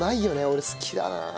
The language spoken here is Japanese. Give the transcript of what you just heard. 俺好きだなあ。